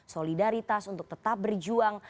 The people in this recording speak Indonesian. solidaritas untuk tetap berjuang